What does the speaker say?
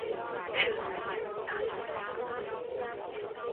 适用于大多企业。